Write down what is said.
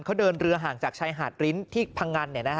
เขาเดินเรือห่างจากชายหาดริ้นที่พังงัน